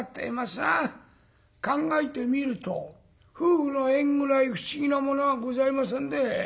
考えてみると夫婦の縁ぐらい不思議なものはございませんで。